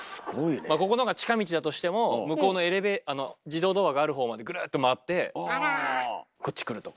ここのが近道だとしても向こうの自動ドアがあるほうまでぐるっと回ってこっち来るとか。